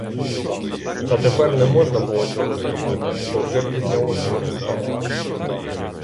Та тепер не можна було цього зробити, бо вже пізня осінь настала.